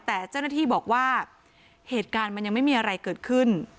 แต่เจ้าหน้าที่บอกว่าเหตุการณ์มันยังไม่มีอะไรเกิดขึ้น